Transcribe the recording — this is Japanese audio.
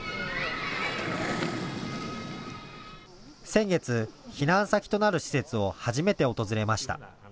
先月、避難先となる施設を初めて訪れました。